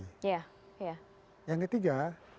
ya yang ketiga